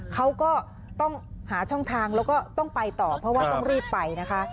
เขาก็ต้องหาช่องทางแล้วก็ต้องไปต่อเพราะว่าต้องรีบไปนะคะ